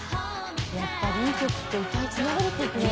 やっぱりいい曲って歌い継がれていくね。